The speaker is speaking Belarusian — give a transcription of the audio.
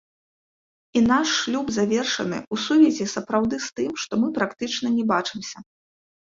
І наш шлюб завершаны ў сувязі сапраўды з тым, што мы практычна не бачымся.